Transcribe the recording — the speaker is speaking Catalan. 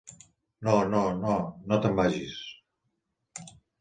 No, no, no, no te'n vagis.